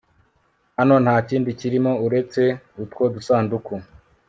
hano ntakindi kirimo uretse utwo dusanduku